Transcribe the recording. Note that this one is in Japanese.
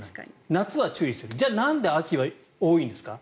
夏は注意する、じゃあなんで秋は多いんですか。